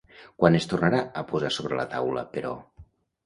Quan es tornarà a posar sobre la taula, però?